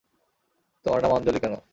তোমার নাম আঞ্জলি কেন?